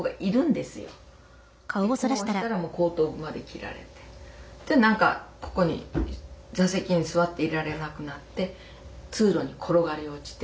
でこうしたら後頭部まで切られて何かここに座席に座っていられなくなって通路に転がり落ちて。